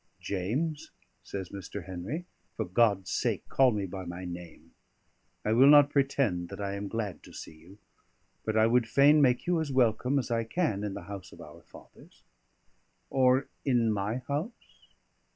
"James," says Mr. Henry, "for God's sake, call me by my name. I will not pretend that I am glad to see you; but I would fain make you as welcome as I can in the house of our fathers." "Or in my house?